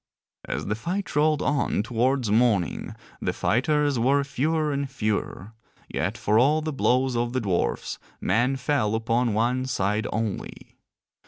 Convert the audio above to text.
_ As the fight rolled on towards morning the fighters were fewer and fewer, yet for all the blows of the dwarfs men fell upon one side only.